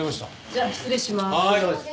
じゃあ失礼します。